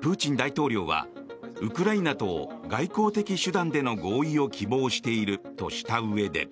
プーチン大統領は、ウクライナと外交的手段での合意を希望しているとしたうえで。